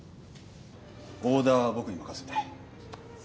オーダーは僕に任せて。